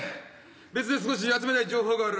別で少し集めたい情報がある。